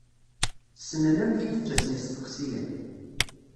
Ssnen amek i d-ttasen yisteqsiyen.